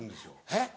えっ？